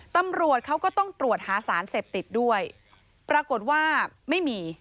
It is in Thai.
ตำรวจเขาก็ต้องตรวจหาสารเสพติดด้วยปรากฏว่าไม่มี